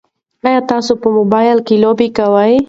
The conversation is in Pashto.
ایا تاسي په موبایل کې لوبې کوئ؟